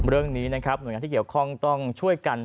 เรื่องนี้นะครับหน่วยงานที่เกี่ยวข้องต้องช่วยกัน